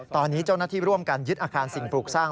ตอนนี้เจ้าหน้าที่ร่วมกันยึดอาคารสิ่งปลูกสร้าง